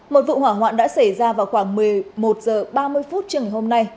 một vụ hỏa hoạn đã xảy ra vào khoảng một mươi một h ba mươi phút trường ngày hôm nay